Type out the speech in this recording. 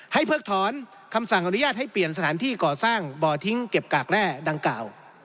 เพิกถอนคำสั่งอนุญาตให้เปลี่ยนสถานที่ก่อสร้างบ่อทิ้งเก็บกากแร่ดังกล่าว